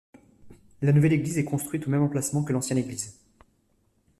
La nouvelle église est construite au même emplacement que l'ancienne église.